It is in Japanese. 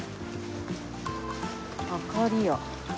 あかりや。